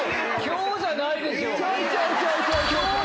今日じゃないでしょ！